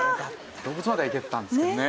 動物まではいけてたんですけどね